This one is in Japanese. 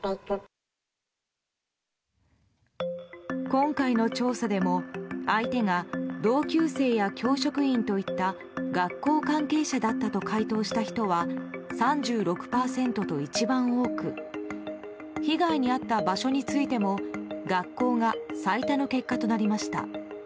今回の調査でも相手が同級生や教職員といった学校関係者だったと回答した人は３６％と一番多く被害に遭った場所についても学校が最多の結果となりました。